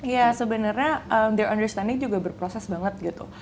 ya sebenarnya the understanding juga berproses banget gitu